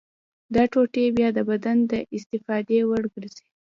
دا ټوټې بیا د بدن د استفادې وړ ګرځي.